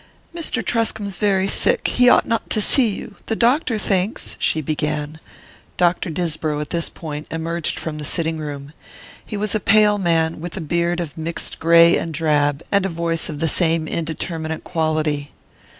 "Mr. Truscomb's very sick. He ought not to see you. The doctor thinks " she began. Dr. Disbrow, at this point, emerged from the sitting room. He was a pale man, with a beard of mixed grey and drab, and a voice of the same indeterminate quality.